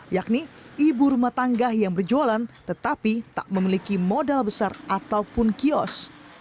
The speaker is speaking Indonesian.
yakni ibu rumah tangga yang berjualan tetapi tak memiliki modal besar ataupun kios